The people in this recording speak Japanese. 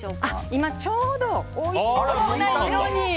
今ちょうどおいしそうな色に。